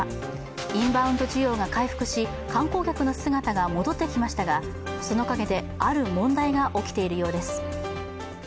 インバウンド需要が回復し観光客の姿が戻ってきましたがその影である問題が起きているようです。